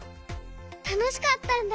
たのしかったんだ。